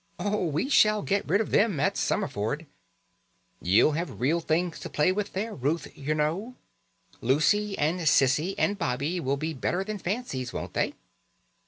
"Oh, we shall get rid of them at Summerford. You'll have real things to play with there, Ruth, you know. Lucy, and Cissie, and Bobbie will be better than fancies, won't they?"